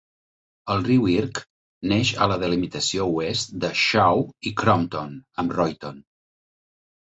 El riu Irk neix a la delimitació oest de Shaw i Crompton amb Royton.